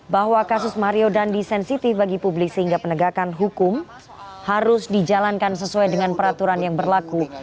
bahwa kasus mario dandi sensitif bagi publik sehingga penegakan hukum harus dijalankan sesuai dengan peraturan yang berlaku